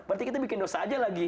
berarti kita bikin dosa aja lagi